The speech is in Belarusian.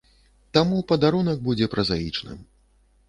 Таму падарунак будзе празаічным.